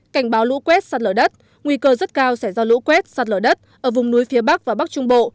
cảnh báo lũ quét sạt lở đất nguy cơ rất cao sẽ do lũ quét sạt lở đất ở vùng núi phía bắc và bắc trung bộ